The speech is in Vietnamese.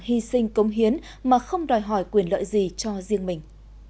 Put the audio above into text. hy sinh công hiến mà không đòi hỏi quyền lợi gì cho riêng mình